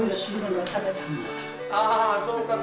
ああそうか。